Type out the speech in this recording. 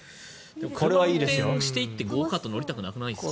運転していってゴーカート乗りたくなくないですか？